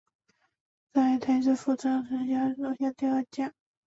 后在太原知府张孝纯手下任河东第二将。